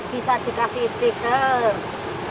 bisa dikasih tempat tidur